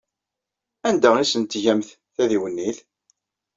Anda ay asent-tgamt tadiwennit?